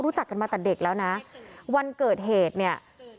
รู้จักกันมาแต่เด็กแล้วนะวันเกิดเหตุเนี่ย